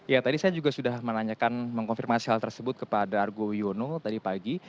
ya tadi saya juga sudah menanyakan mengkonfirmasi hal tersebut kepada argo wiono tadi pagi